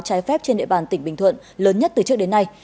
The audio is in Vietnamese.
trái phép trên địa bàn tỉnh bình thuận lớn nhất từ trước đến nay